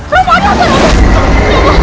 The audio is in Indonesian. romo di rumah romo